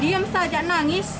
diam saja nangis